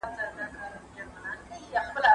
هغه ماشین چې پخواني توري لولي ډېر ګټور دی.